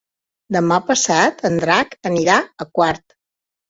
Demà passat en Drac anirà a Quart.